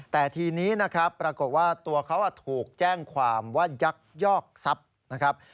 แต่ทีนี้นะครับปรากฏว่าตัวเขาถูกแจ้งความว่ายักยอกทรัพย์นะครับ